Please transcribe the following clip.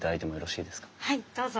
はいどうぞ。